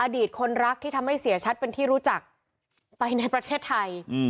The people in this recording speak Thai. ตคนรักที่ทำให้เสียชัดเป็นที่รู้จักไปในประเทศไทย